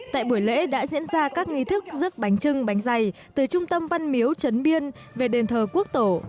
tại buổi lễ đã diễn ra các nghi thức rước bánh trưng bánh dày từ trung tâm văn miếu trấn biên về đền thờ quốc tổ